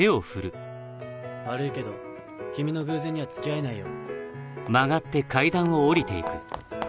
悪いけど君の偶然には付き合えないよ。